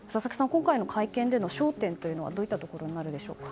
今回の会見での焦点はどういったところになるでしょうか。